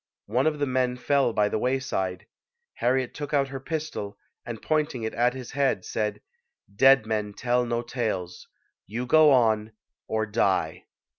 One of the men fell by the wayside. Harriet took out her pistol, and pointing it at his head, said, "Dead men tell no tales; you go on or die!"